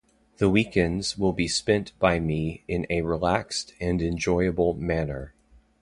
The weekends will be spent by me in a relaxed and enjoyable manner.